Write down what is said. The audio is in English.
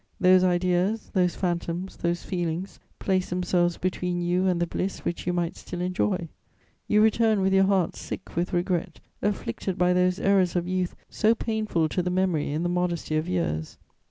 Those ideas, those phantoms, those feelings place themselves between you and the bliss which you might still enjoy. You return with your heart sick with regret, afflicted by those errors of youth so painful to the memory in the modesty of years.